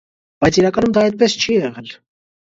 Բայց իրականում դա այդպես չի եղել։